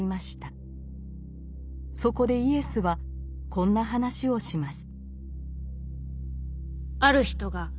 そこでイエスはこんな話をします。